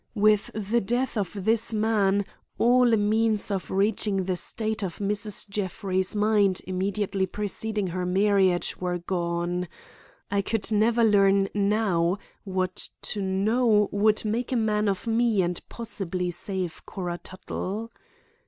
With the death of this man, all means of reaching the state of Mrs. Jeffrey's mind immediately preceding her marriage were gone. I could never learn now what to know would make a man of me and possibly save Cora Tuttle.